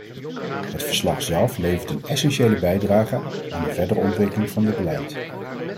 Het verslag zelf levert een essentiële bijdrage aan de verdere ontwikkeling van dit beleid.